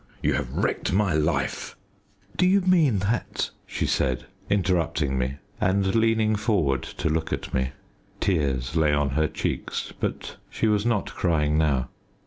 You have wrecked my life " "Do you mean that?" she said, interrupting me, and leaning forward to look at me. Tears lay on her cheeks, but she was not crying now.